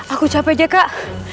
aku capek jakak